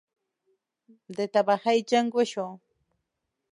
ده تباهۍ جـنګ وشو.